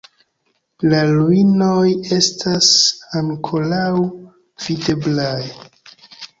La ruinoj estas ankoraŭ videblaj.